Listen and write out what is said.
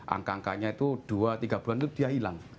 angka angkanya itu dua tiga bulan itu dia hilang